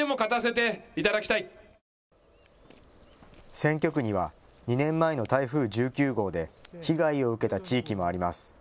選挙区には２年前の台風１９号で被害を受けた地域もあります。